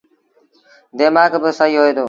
ديمآڪ با سهيٚ هوئي دو۔